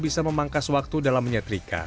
bisa memangkas waktu dalam menyetrika